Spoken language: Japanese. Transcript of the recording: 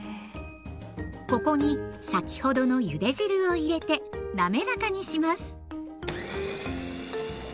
ここに先ほどのゆで汁を入れて滑らかにします。